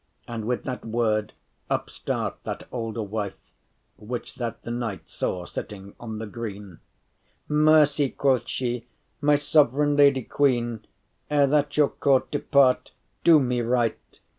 And with that word up start that olde wife Which that the knight saw sitting on the green. “Mercy,” quoth she, “my sovereign lady queen, Ere that your court departe, do me right.